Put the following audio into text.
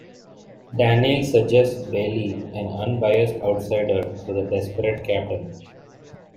Daneel suggests Baley, an unbiased outsider, to the desperate captain.